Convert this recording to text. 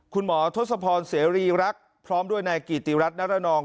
คุณหมอทศพรเสรีรักษ์พร้อมด้วยนายกิติรัฐนรนอง